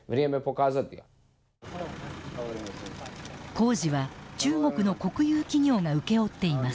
工事は中国の国有企業が請け負っています。